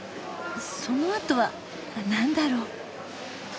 そのあとは何だろう？